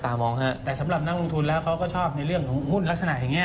แต่สำหรับนักลงทุนแล้วเขาก็ชอบในเรื่องของหุ้นลักษณะอย่างนี้